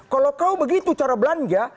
kalau kau begitu cara belanja